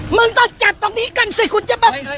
มึงก็จับตรงนี้กันสิคุณจะแบบ